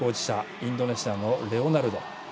インドネシアのレオナルド。